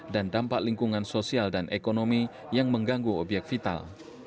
dan dampak lingkungan sosial dan ekonomi yang mengganggu obyek vital